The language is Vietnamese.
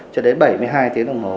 cho đến bảy mươi hai tiếng đồng hồ